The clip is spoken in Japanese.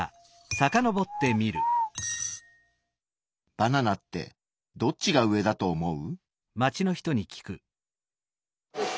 バナナってどっちが上だと思う？